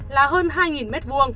là hơn hai m hai